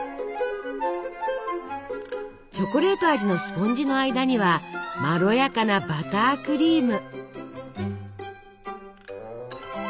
チョコレート味のスポンジの間にはまろやかなバタークリーム。